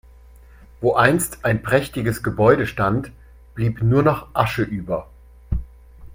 Wo einst ein prächtiges Gebäude stand, blieb nur noch Asche über.